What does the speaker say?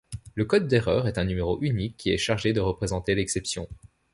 Le code d'erreur est un numéro unique qui est chargé de représenter l'exception.